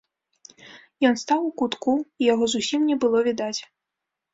Ён стаў у кутку, і яго зусім не было відаць.